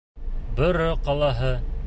Бөрө ҡалаһы.